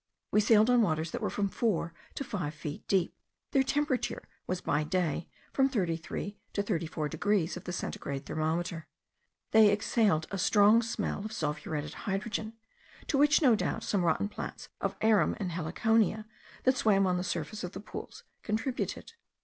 We sailed on waters that were from four to five feet deep; their temperature was by day from 33 to 34 degrees of the centigrade thermometer; they exhaled a strong smell of sulphuretted hydrogen, to which no doubt some rotten plants of arum and heliconia, that swam on the surface of the pools, contributed.